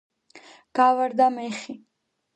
გავარდა მეხი